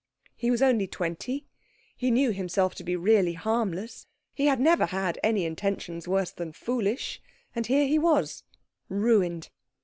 He was only twenty, he knew himself to be really harmless, he had never had any intentions worse than foolish, and here he was, ruined.